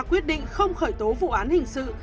quyết định không khởi tố vụ án hình sự